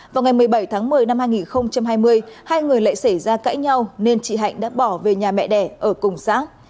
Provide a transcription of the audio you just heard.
vào ngày một mươi bảy tháng một mươi năm hai nghìn hai mươi hai người lại xảy ra cãi nhau nên chị hạnh đã bỏ về nhà mẹ đẻ ở cùng xã